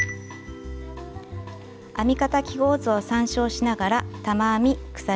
編み方記号図を参照しながら玉編み鎖